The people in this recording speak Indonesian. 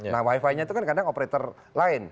nah wifi nya itu kan kadang operator lain